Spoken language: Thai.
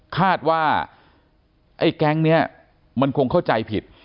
คาดว่าไอ้แก๊งนี้มันคงเข้าใจผิด